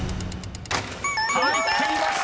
［入っていました！